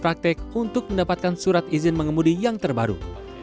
pelatihan ini dibuka setiap hari jumaat dan tidak dipungut biaya